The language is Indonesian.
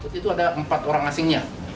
di situ ada empat orang asingnya